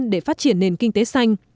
để phát triển nền kinh tế xanh